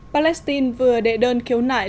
palestine vừa đệ đơn khiếu nại